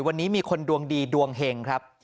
วันนี้มีคนดวงดีดวงเห็งครับ